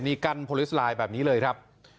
นี่กั้นโพลิสไลน์แบบนี้เลยครับ